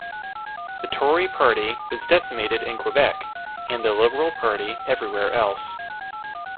The Tory party was decimated in Quebec, and the Liberal party everywhere else.